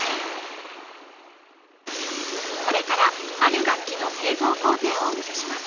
これからある楽器の製造工程をお見せします